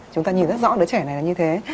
chúng ta nhìn rất rõ đứa trẻ này là như thế